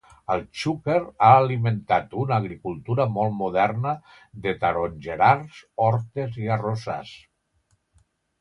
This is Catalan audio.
El Xúquer ha alimentat una agricultura molt moderna de tarongerars, hortes i arrossars.